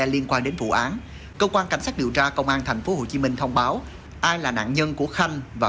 liên quan đến vụ án cơ quan cảnh sát điều tra công an tp hcm thông báo ai là nạn nhân của khanh và